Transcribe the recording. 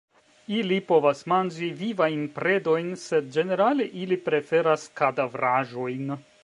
Ili povas manĝi vivajn predojn sed ĝenerale ili preferas kadavraĵojn.